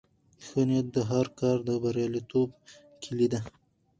ښه نیت د هر کار د بریالیتوب کیلي ده.